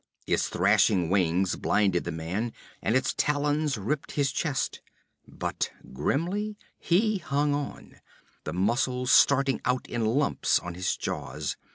Its thrashing wings blinded the man, and its talons ripped his chest. But grimly he hung on, the muscles starting out in lumps on his jaws.